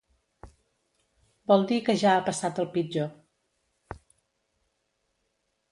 Vol dir que ja ha passat el pitjor.